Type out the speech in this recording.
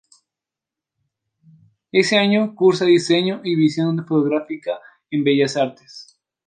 Ese año cursa Diseño y Visión fotográfica en Bellas Artes.